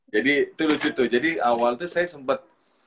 jadi itu lucu tuh jadi awal tuh saya sempet